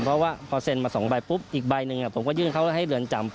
เพราะว่าพอเซ็นมา๒ใบปุ๊บอีกใบหนึ่งผมก็ยื่นเขาให้เรือนจำ